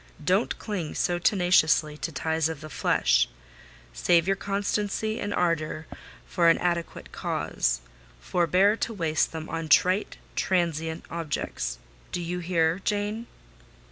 Don't cling so tenaciously to ties of the flesh; save your constancy and ardour for an adequate cause; forbear to waste them on trite transient objects. Do you hear, Jane?"